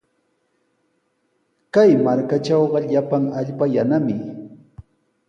Kay markatrawqa llapan allpa yanami.